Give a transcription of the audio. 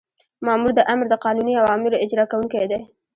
مامور د آمر د قانوني اوامرو اجرا کوونکی دی.